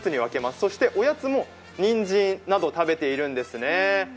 そしておやつも、にんじんなど食べているんですね。